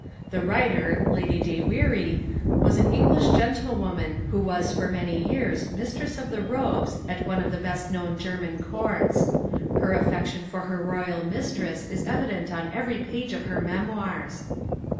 The writer, Lady de Weary, was an English gentlewoman who was for many years Mistress of the Robes at one of the best known German courts. Her affection for her royal mistress is evident on every page of her memoirs.